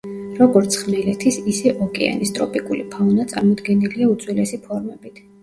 როგორც ხმელეთის, ისე ოკეანის ტროპიკული ფაუნა წარმოდგენილია უძველესი ფორმებით.